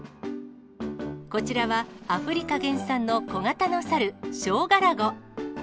こちらはアフリカ原産の小型のサル、ショウガラゴ。